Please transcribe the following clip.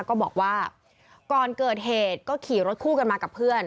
ก็บอกว่าก่อนเกิดเหตุก็ขี่รถคู่กันมากับเพื่อน